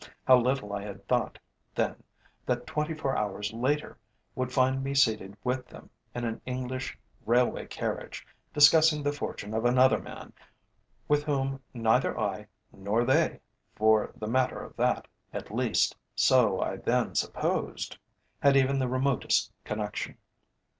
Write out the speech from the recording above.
How little I had thought then that twenty four hours later would find me seated with them in an English railway carriage, discussing the fortune of another man with whom neither I, nor they, for the matter of that at least, so I then supposed had even the remotest connection.